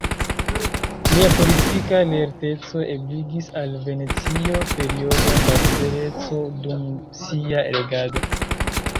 Lia politika lerteco ebligis al Venecio periodon da libereco dum sia regado.